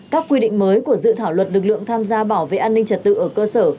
các quy định mới của dự thảo luật lực lượng tham gia bảo vệ an ninh trật tự ở cơ sở